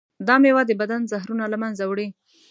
دا میوه د بدن زهرونه له منځه وړي.